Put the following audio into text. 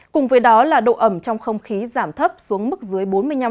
cùng với đó là độ ẩm trong không khí giảm thấp xuống mức dưới bốn mươi năm